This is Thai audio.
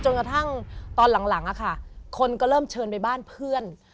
กระทั่งตอนหลังคนก็เริ่มเชิญไปบ้านเพื่อน